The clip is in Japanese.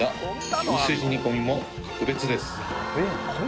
牛すじ煮込みも格別です